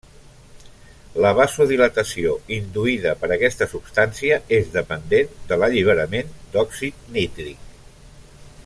La vasodilatació induïda per aquesta substància és dependent de l’alliberament d'òxid nítric.